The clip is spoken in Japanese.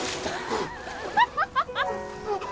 ハハハハ！